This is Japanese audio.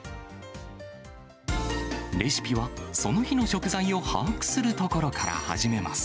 レシピはその日の食材を把握するところから始めます。